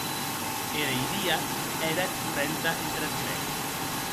Era idia ère correnta entre es grècs.